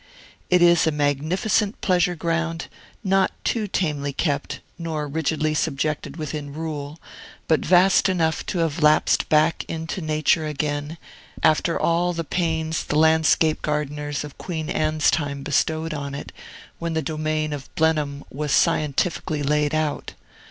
It is a magnificent pleasure ground, not too tamely kept, nor rigidly subjected within rule, but vast enough to have lapsed back into nature again, after all the pains that the landscape gardeners of Queen Anne's time bestowed on it, when the domain of Blenheim was scientifically laid out.